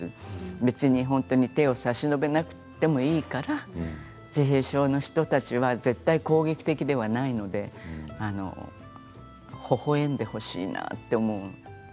別に本当に手を差し伸べなくてもいいから自閉症の人たちは絶対攻撃的ではないのでほほえんでほしいなと思う。